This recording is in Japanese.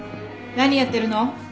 何やってるの？